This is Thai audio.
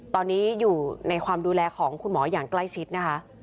ตอนนี้อยู่ในความดูแลของคุณหมออย่างใกล้ชิดนะคะ